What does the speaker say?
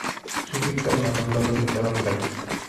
Se ubican a los lados de cada placa.